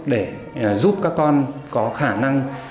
để giúp các con có khả năng